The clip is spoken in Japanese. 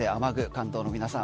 関東の皆さん